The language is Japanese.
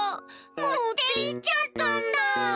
もっていっちゃったんだ。